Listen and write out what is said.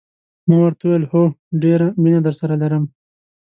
ما ورته وویل: هو، ډېره مینه درسره لرم.